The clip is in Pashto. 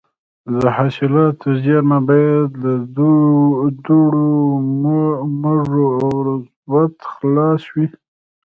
د حاصلاتو زېرمه باید له دوړو، مږو او رطوبت خلاصه وي.